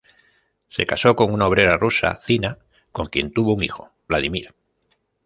Se casó con una obrera rusa, Zina, con quien tuvo un hijo, Vladimir.